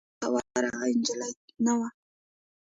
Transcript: تواب لویو ډبرو ته ورغی نجلۍ نه وه.